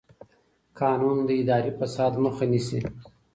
قانون د اداري فساد مخه نیسي.